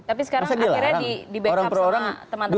tapi sekarang akhirnya di backup sama teman teman